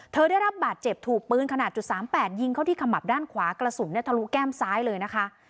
เธอได้รับบาดเจ็บถูกปืนขนาดจุดสามแปดยิงเขาที่ขมับด้านขวากระสุนเนี่ยทะลุแก้มซ้ายเลยนะคะ